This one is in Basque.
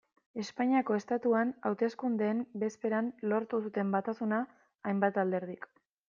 Espainiako Estatuan hauteskundeen bezperan lortu zuten batasuna hainbat alderdik.